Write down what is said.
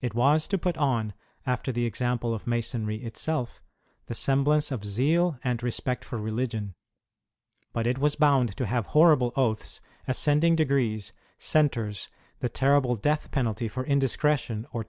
It was to put on, after the example of Masonry itself, the semblance of zeal and respect for religion, but it was bound to have horrible oaths, ascending degrees, centres, the terrible death penalty for indiscretion or KINDRED SECRET SOCIETIES IN EUEOrE.